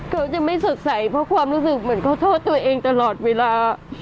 เขาจะไม่สดใสเพราะความรู้สึกเหมือนเขาโทษตัวเองตลอดเวลา